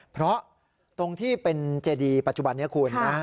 เพราะตรงที่เป็นเจดีปัจจุบันนี้คุณนะ